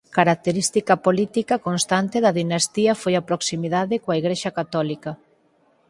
Característica política constante da dinastía foi a proximidade coa Igrexa Católica.